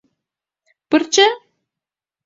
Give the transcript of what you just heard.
— Пырче?